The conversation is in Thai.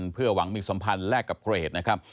เพื่อหวังมีสัมพันธ์แลกกับเกรดนะครับ